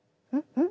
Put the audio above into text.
うん？